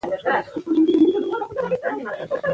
د سردار ایوب خان نوم ځلانده سو.